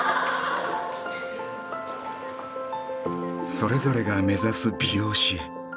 それぞれが目指す美容師へ